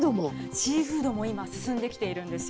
シーフードも今、進んできているんですよ。